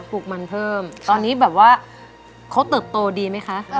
ปลูกมันเพิ่มตอนนี้แบบว่าเขาเติบโตดีไหมคะ